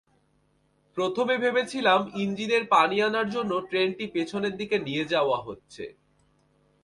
প্রথমে ভেবেছিলেন ইঞ্জিনের পানি আনার জন্য ট্রেনটি পেছনের দিকে নিয়ে যাওয়া হচ্ছে।